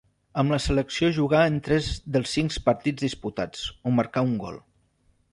Amb la selecció jugà en tres dels cinc partits disputats, on marcà un gol.